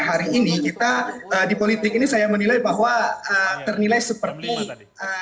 hari ini kita di politik ini saya menilai bahwa ternilai seperti